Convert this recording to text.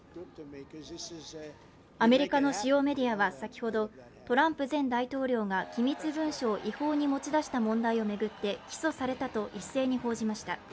アメリカの主要メディアは先ほど、トランプ前大統領が機密文書を違法に持ち出した問題を巡って起訴されたと一斉に報じました。